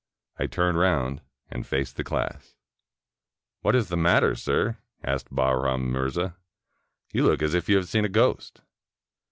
I turned round and faced the class. "What is the matter, sir?" asked Bahram Mirza. "You look as if you had seen a ghost."